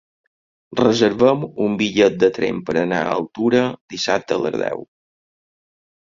Reserva'm un bitllet de tren per anar a Altura dissabte a les deu.